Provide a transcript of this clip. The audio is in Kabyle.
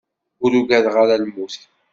Ur ugadeɣ ara lmut.